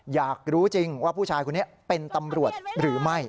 อยากรู้จริงว่าผู้ชายคนนี้เป็นตำรวจหรือไม่